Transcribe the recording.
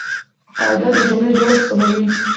قاعده د جملې جوړښت سموي.